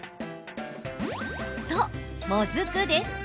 そう、もずくです。